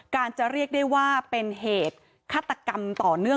การจะเรียกได้ว่าเป็นเหตุฆาตกรรมต่อเนื่อง